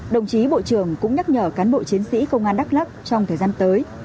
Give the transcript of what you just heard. đồng chí bộ trưởng cũng nhắc nhở cán bộ chiến sĩ công an đắk lắc trong thời gian tới